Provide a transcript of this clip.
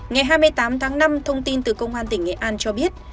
ngày hai mươi tám tháng năm thông tin từ công an tỉnh nghệ an cho biết